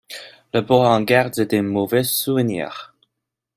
Le bourg en garde des mauvais souvenirs.